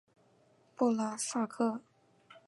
布拉萨克。